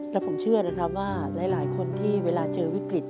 และผมเชื่อนะครับว่าหลายคนที่เวลาเจอวิกฤต